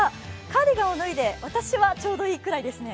カーディガンを脱いで私はちょうどいいぐらいですね。